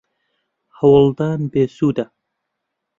هەوڵدان بێسوودە.